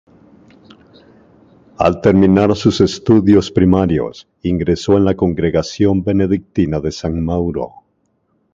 Al terminar sus estudios primarios ingresó en la congregación benedictina de San Mauro.